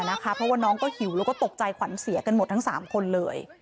เพราะว่าน้องก็หิวแล้วก็ตกใจขวัญเสียกันหมดทั้ง๓คนเลย